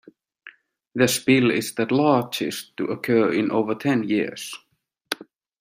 The spill is the largest to occur in over ten years.